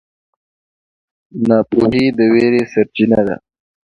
ناپوهي د وېرې سرچینه ده.